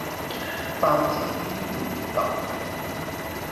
包剪~~揼